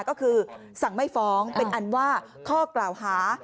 ก็คือสั่งไม่ฟ้องเป็นอันว่าข้อกล่าวหา